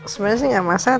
sebenernya sih gak masalah